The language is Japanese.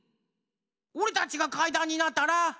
⁉おれたちがかいだんになったら。